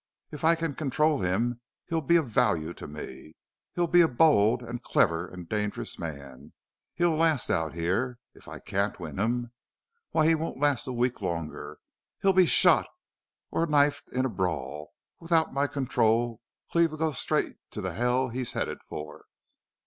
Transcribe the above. If I can control him he'll be of value to me he'll be a bold and clever and dangerous man he'll last out here. If I can't win him, why, he won't last a week longer. He'll be shot or knifed in a brawl. Without my control Cleve'll go straight to the hell he's headed for."